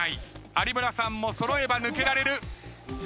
有村さんも揃えば抜けられる。